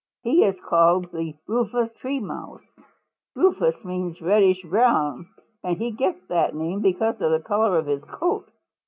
He is called the Rufous Tree Mouse. Rufous means reddish brown, and he gets that name because of the color of his coat.